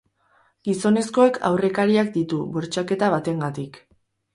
Gizonezkoak aurrekariak ditu, bortxaketa batengatik.